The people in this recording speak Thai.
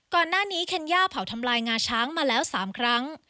ก่อนหน้านี้เคนย่าเผาทำลายงาช้างมาแล้ว๓ครั้ง